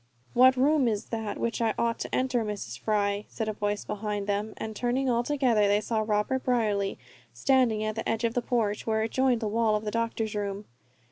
"What room is that which I ought to enter, Mrs. Fry?" said a voice behind them, and turning, all together, they saw Robert Brierly standing at the edge of the porch where it joined the wall of the doctor's room.